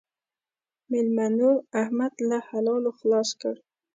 مېلمنو؛ احمد له حلالو خلاص کړ.